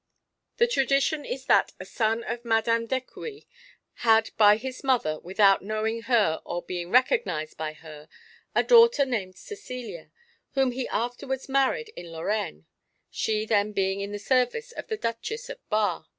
"The tradition is that a son of Madame d'Écouis had by his mother, without knowing her or being recognised by her, a daughter named Cecilia, whom he afterwards married in Lorraine, she then being in the service of the Duchess of Bar.